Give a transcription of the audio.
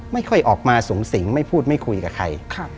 ไม่ค่อยออกมาสูงสิงไม่พูดไม่คุยกับใคร